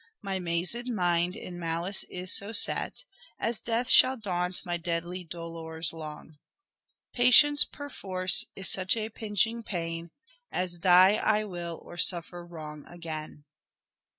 My mazed mind in malice is so set As death shall daunt my deadly dolours long. Patience perforce is such a pinching pain, As die I will or suffer wrong again."